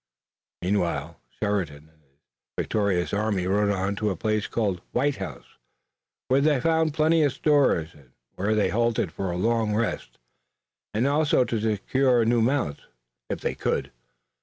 Meanwhile Sheridan and his victorious army rode on to a place called White House, where they found plenty of stores, and where they halted for a long rest, and also to secure new mounts, if they could.